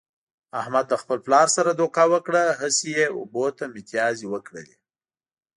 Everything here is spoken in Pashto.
احمد له خپل پلار سره دوکه وکړه، هسې یې اوبو ته متیازې و کړلې.